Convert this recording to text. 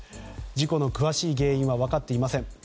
事故の詳しい原因は分かっていません。